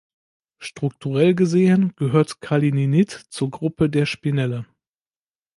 Strukturell gesehen gehört Kalininit zur Gruppe der Spinelle.